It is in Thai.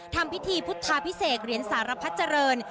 ทำพิธีพุทธาพิเศษเหรียญสารพัดเจริญ